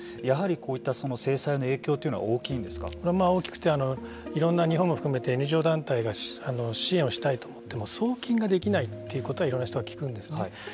やはりこういった制裁の影響というのは大きくていろんな日本も含めてＮＧＯ団体が支援をしたいと思っても送金ができないということはいろんな人から聞くんですね。